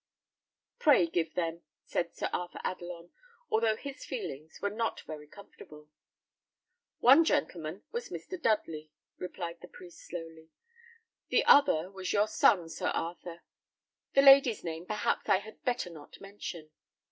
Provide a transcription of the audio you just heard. "Pray give them," said Sir Arthur Adelon, although his feelings were not very comfortable. "One gentleman was Mr. Dudley," replied the priest, slowly; "the other was your son, Sir Arthur; the lady's name perhaps I had better not mention."